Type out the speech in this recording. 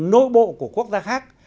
nội bộ của quốc gia khác